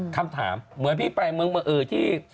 คำถามเหมือนพี่ไปเมืองเออที่